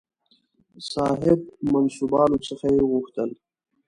صاحب منصبانو څخه یې وغوښتل.